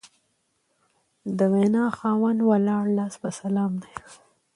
د وینا خاوند ولاړ لاس په سلام دی